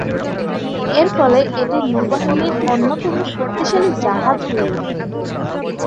এর ফলে এটি নৌবাহিনীর অন্যতম শক্তিশালী জাহাজ হয়ে উঠবে।